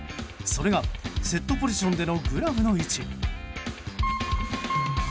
それがセットポジションでのグラブの位置。